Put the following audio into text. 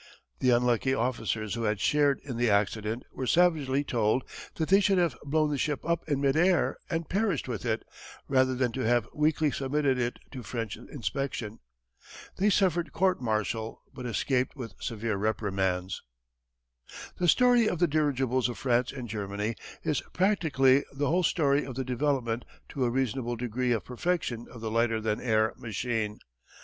The unlucky officers who had shared in the accident were savagely told that they should have blown the ship up in mid air and perished with it rather than to have weakly submitted it to French inspection. They suffered court martial but escaped with severe reprimands. The story of the dirigibles of France and Germany is practically the whole story of the development to a reasonable degree of perfection of the lighter than air machine.